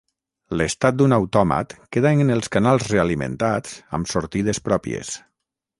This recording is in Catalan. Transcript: L'estat d'un autòmat queda en els canals realimentats amb sortides pròpies.